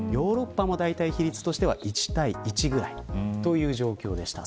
ヨーロッパも比率としては１対１ぐらい。という状況でした。